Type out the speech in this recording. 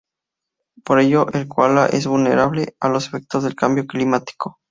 Por ello, el koala es vulnerable a los efectos del cambio climático.